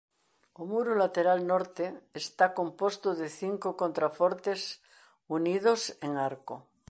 O muro lateral norte está composto de cinco contrafortes unidos en arco.